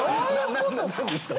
何ですか？